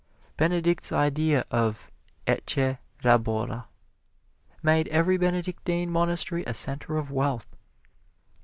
Benedict's idea of "Ecce labora" made every Benedictine monastery a center of wealth.